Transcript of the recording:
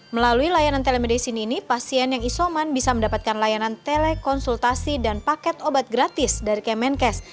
melalui layanan telemedicine ini pasien yang isoman bisa mendapatkan layanan telekonsultasi dan paket obat gratis dari kemenkes